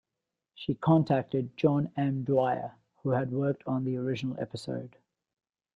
She contacted John M. Dwyer, who had worked on the original episode.